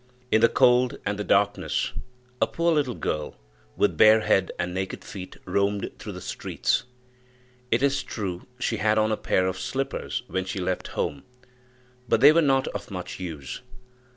In the cold and the darkness, a poor little girl, with bare head and naked feet, roamed through the streets. It is true she had on a pair of slippers when she left home, but they were not of much use.